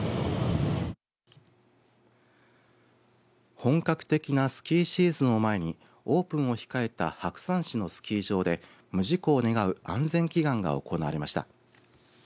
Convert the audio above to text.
本格的なスキーシーズンを前にオープンを控えた白山市のスキー場で無事故を願う安全祈願が行われました。